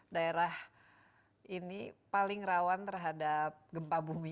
daerah ini paling rawan terhadap gempa bumi